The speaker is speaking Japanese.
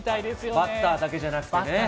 バッターだけじゃなくてね。